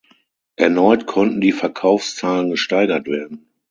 Erneut konnten die Verkaufszahlen gesteigert werden.